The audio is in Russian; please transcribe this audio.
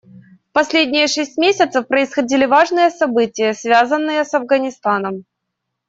В последние шесть месяцев происходили важные события, связанные с Афганистаном.